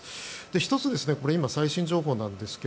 １つ、今、最新情報なんですが